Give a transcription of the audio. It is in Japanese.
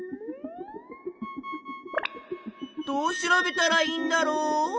どう調べたらいいんだろう？